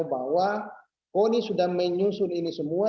bahwa koni sudah menyusun ini semua